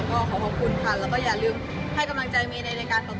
ก็ขอขอบคุณค่ะแล้วก็อย่าลืมให้กำลังใจเมย์ในรายการต่อไป